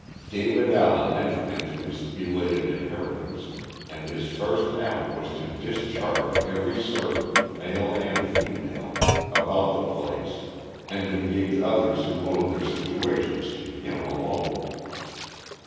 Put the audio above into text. David Allen entered into his belated inheritance, and his first act was to discharge every servant, male and female, about the place and engage others who owed their situations to him alone.